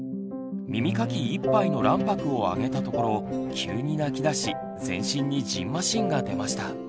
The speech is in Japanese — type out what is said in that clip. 耳かき１杯の卵白をあげたところ急に泣きだし全身にじんましんが出ました。